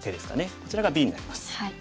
こちらがＢになります。